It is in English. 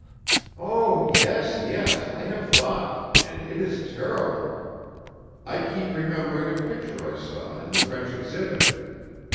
"Oh, yes, yes, I have thought, and it is terrible. I keep remembering a picture I saw in the French Exhibit.